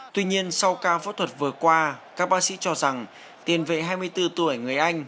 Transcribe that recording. tuy nhiên sau ca phẫu thuật vừa qua các bác sĩ cho rằng tiền vệ hai mươi bốn tuổi người anh